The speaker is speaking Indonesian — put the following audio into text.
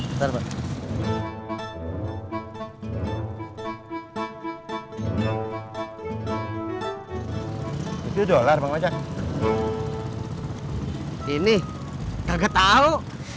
itu dollar ini enggak tahu